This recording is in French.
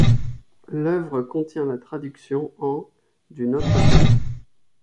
L'œuvre contient la traduction en du Notre Père.